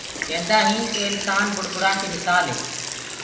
ڪيندآ هينٚ ڪي انسآن بُڙبُرآ ڪي مسآل هي۔